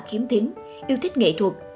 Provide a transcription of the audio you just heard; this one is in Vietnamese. khiếm thính yêu thích nghệ thuật